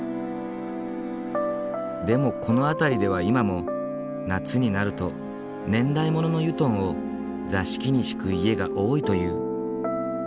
でもこの辺りでは今も夏になると年代物の油団を座敷に敷く家が多いという。